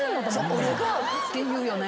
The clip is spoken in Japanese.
「俺が」って言うよね。